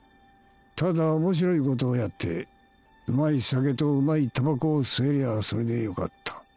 ただ面白いことをやってうまい酒とうまい煙草を吸えりゃそれでよかった。